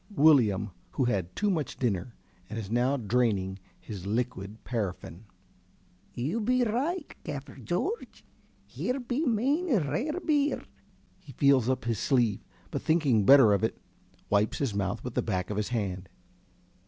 ~Willyum~ (who had too much dinner and is now draining his liquid paraffin). You be right, Gaffer Jarge. Her be main rare beer. (_He feels up his sleeve, but thinking better of it, wipes his mouth with the back of his hand.